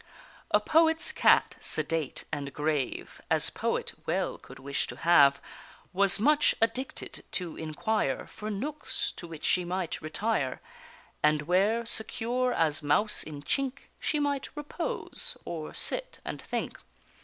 A poet's cat, sedate and grave As poet well could wish to have, Was much addicted to inquire For nooks to which she might retire, And where, secure as mouse in chink, She might repose, or sit and think.